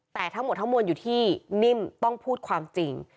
แต่ทั้งหมดทั้งมวลอยู่ที่นิ่มต้องพูดความจริง